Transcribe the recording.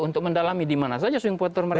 untuk mendalami dimana saja swing voter mereka